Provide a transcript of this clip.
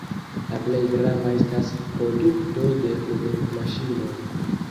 La plej grava estas produkto de flugmaŝinoj.